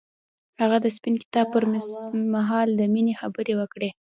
هغه د سپین کتاب پر مهال د مینې خبرې وکړې.